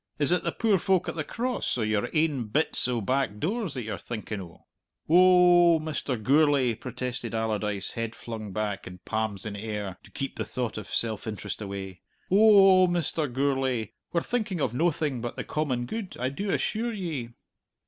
"Is it the poor folk at the Cross, or your ain bits o' back doors that you're thinking o'?" "Oh oh, Mr. Gourlay!" protested Allardyce, head flung back, and palms in air, to keep the thought of self interest away, "oh oh, Mr. Gourlay! We're thinking of noathing but the common good, I do assure ye."